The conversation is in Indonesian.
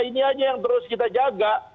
ini aja yang terus kita jaga